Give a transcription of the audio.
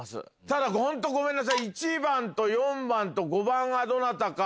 ただ本当ごめんなさい１番と４番と５番がどなたか。